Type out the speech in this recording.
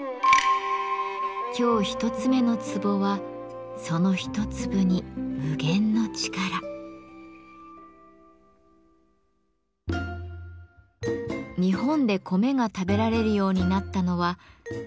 今日一つ目のツボは日本で米が食べられるようになったのは縄文時代の終わり。